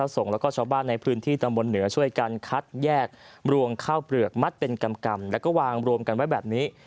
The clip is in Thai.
สู่ขวั่นข้าวประจำปีศีลปี